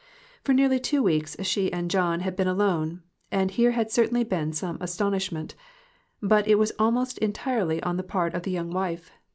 For nearly two weeks she and John had been alone, and there had certainly been some aston ishment, but it was almost entirely on the part of the young wife.